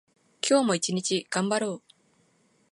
今日も一日頑張ろう。